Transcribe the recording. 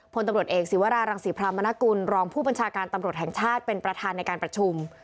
พลตำรวจเอกศิวรารังศรีพรามนกุลรองผู้บัญชาการตำรวจแห่งชาติเป็นประธานในการประชุม